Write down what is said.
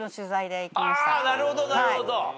なるほどなるほど。